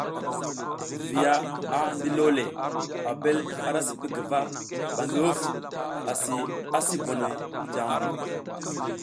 Viya a ndilole, Abel ara sii guva ɓa ngi huf asi asi bonoy jaʼmbu.